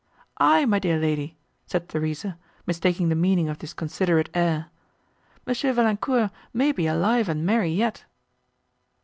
"Aye, my dear lady," said Theresa, mistaking the meaning of this considerate air, "M. Valancourt may be alive and merry yet."